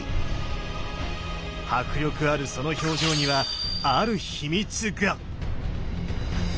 迫力あるその表情にはある秘密が！